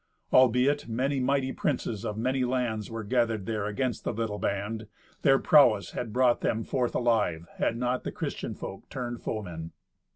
Albeit many mighty princes of many lands were gathered there against the little band, their prowess had brought them forth alive, had not the Christian folk turned foemen.